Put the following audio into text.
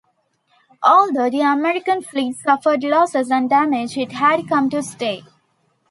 Although the American fleet suffered losses and damage, it had come to stay.